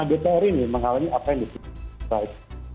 nah dpr ini mengalami apa yang disebut